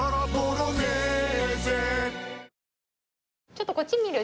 ちょっとこっち見る？